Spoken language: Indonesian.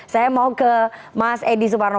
saya mau ke mas edi suparno